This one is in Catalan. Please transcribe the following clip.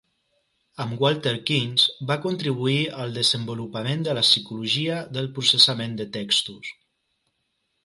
Amb Walter Kintsch va contribuir al desenvolupament de la psicologia del processament de textos.